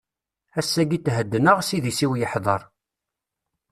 Ass-agi theddneɣ, s idis-iw yeḥdeṛ.